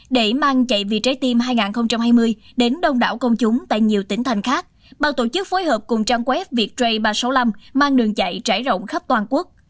để mang chạy vì trái tim hai nghìn hai mươi đến đông đảo công chúng tại nhiều tỉnh thành khác ban tổ chức phối hợp cùng trang web viettray ba trăm sáu mươi năm mang đường chạy trải rộng khắp toàn quốc